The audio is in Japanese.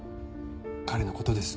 彼のことです